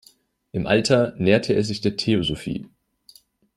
Im Alter näherte er sich der Theosophie.